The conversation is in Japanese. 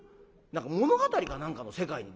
何か物語か何かの世界に」。